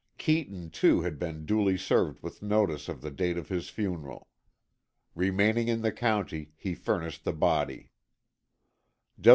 Keeton, too, had been duly served with notice of the date of his funeral. Remaining in the county, he furnished the body.